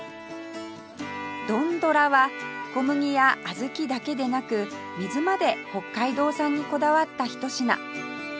どんどらは小麦やあずきだけでなく水まで北海道産にこだわったひと品